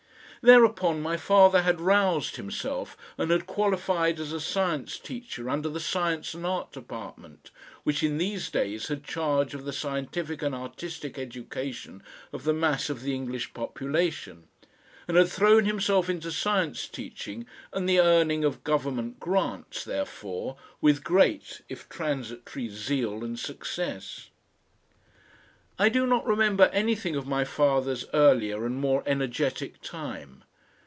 Thereupon my father had roused himself and had qualified as a science teacher under the Science and Art Department, which in these days had charge of the scientific and artistic education of the mass of the English population, and had thrown himself into science teaching and the earning of government grants therefor with great if transitory zeal and success. I do not remember anything of my father's earlier and more energetic time.